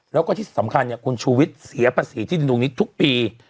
แล้วก็ที่สำคัญคุณชูวิทย์เสียภาษีที่ดินตรงนี้ทุกปี